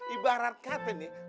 ibarat kate nih